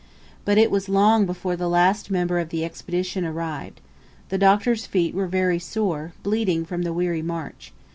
But it was long before the last member of the Expedition arrived. The Doctor's feet were very sore, bleeding from the weary march.